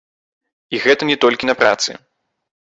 І гэта не толькі на працы.